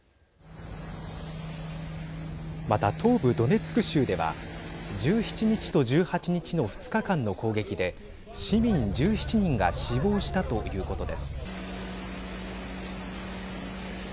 また、東部ドネツク州では１７日と１８日の２日間の攻撃で市民１７人が死亡したということです。